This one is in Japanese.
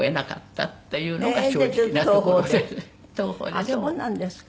あっそうなんですか。